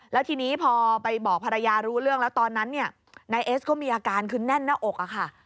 แล้วทีนี้พอไปบอกภรรยารู้เรื่องแล้วตอนนั้นเนี่ยนายเอสก็มีอาการคือแน่นหน้าอกอะค่ะ